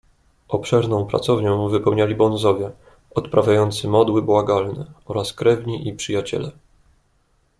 "Obszerną pracownię wypełniali bonzowie, odprawiający modły błagalne, oraz krewni i przyjaciele."